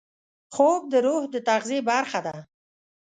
خوب د روح د تغذیې برخه ده